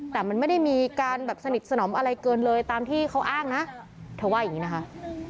แต่มันไม่ได้มีการแบบสนิทสนมอะไรเกินเลยตามที่เขาอ้างนะเธอว่าอย่างนี้นะคะ